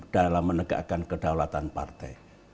dalam menegakkan kedaulatan partai